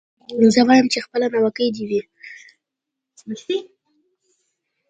زه وايم چي خپله ناوکۍ دي وي